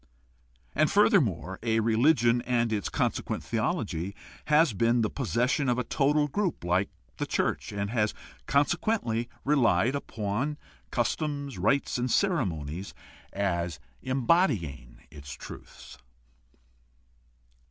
And, further more, a religion and its consequent theology has been the possession of a total group like the church, and has conse quently relied upon customs, rites, and ceremonies as embody ing its truths.